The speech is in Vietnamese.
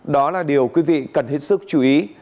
đó là điều quý vị cần hết sức chú ý